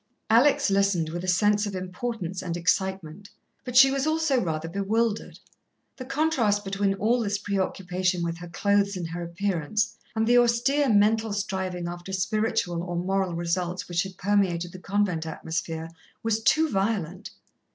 Alex listened with a sense of importance and excitement, but she was also rather bewildered. The contrast between all this preoccupation with her clothes and her appearance, and the austere mental striving after spiritual or moral results which had permeated the convent atmosphere, was too violent.